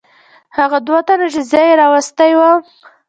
هغو دوو تنو چې زه یې راوستی ووم.